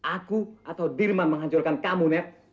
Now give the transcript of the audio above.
aku atau dirman menghancurkan kamu net